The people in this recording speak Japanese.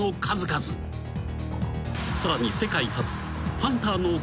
［さらに］